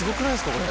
これ。